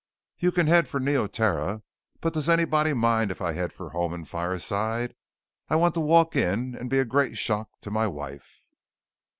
You can head for Neoterra, but does anybody mind if I head for home and fireside? I want to walk in and be a great shock to my wife."